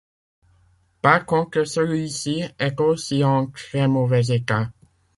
Par contre, celui-ci est aussi en très mauvais état.